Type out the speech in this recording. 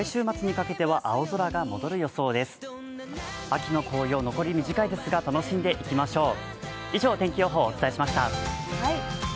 秋の紅葉、残り短いですが楽しんでいきましょう。